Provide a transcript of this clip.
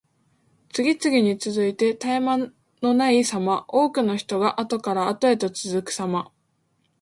次々に続いて絶え間のないさま。多くの人があとからあとへと続くさま。